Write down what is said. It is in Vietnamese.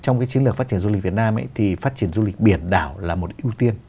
trong cái chiến lược phát triển du lịch việt nam thì phát triển du lịch biển đảo là một ưu tiên